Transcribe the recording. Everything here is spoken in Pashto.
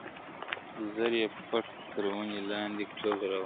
• زر یې پټ تر وني لاندي کړل روان سول -